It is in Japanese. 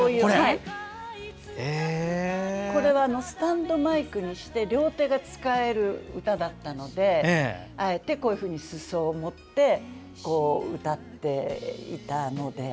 これはスタンドマイクにして両手が使える歌だったのであえてこういうふうにすそを持って歌っていたので。